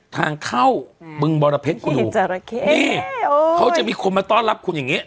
ทางเข้าบึงบรเพชรคุณดูจราเข้นี่เขาจะมีคนมาต้อนรับคุณอย่างนี้